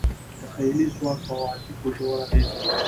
تخیلي ځواک په عواطفو ژور اغېز کوي.